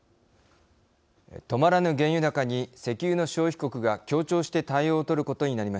止まらぬ原油高に石油の消費国が協調して対応をとることになりました。